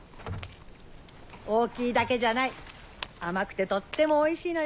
大きいだけじゃない甘くてとってもおいしいのよ。